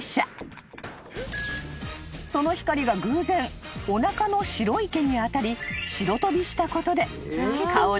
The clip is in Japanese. ［その光が偶然おなかの白い毛に当たり白飛びしたことで］